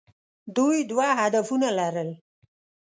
دوی دوه هدفونه لرل.